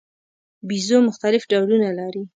بیزو مختلف ډولونه لري.